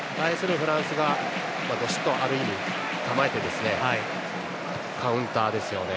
フランスはどしっと構えてカウンターですよね。